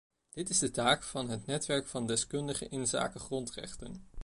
Dat is de taak van het netwerk van deskundigen inzake grondrechten.